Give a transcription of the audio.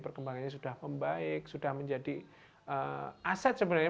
perkembangannya sudah membaik sudah menjadi aset sebenarnya